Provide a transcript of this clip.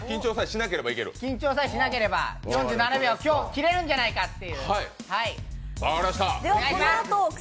緊張さえしなければ４７秒、今日切れるんじゃないかと。